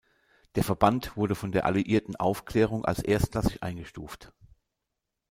Der Verband wurde von der alliierten Aufklärung als erstklassig eingestuft.